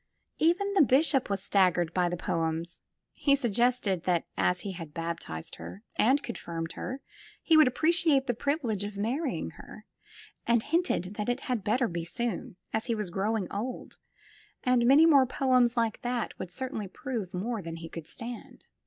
Even the bishop was staggered by the poems. He suggested that as he had baptized her and confirmed her he would appreciate the privilege of marrying her, and hinted that it had better be soon, as he was growing old and many more poems like that would certainly prove more than he could stand.